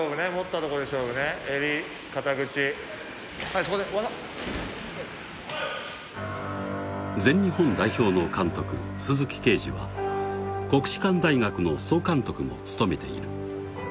はいそこで技全日本代表の監督・鈴木桂治は国士舘大学の総監督も務めている